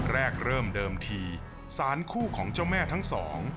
เริ่มเดิมทีสารคู่ของเจ้าแม่ทั้งสอง